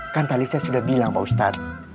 kan tadi saya sudah bilang pak ustadz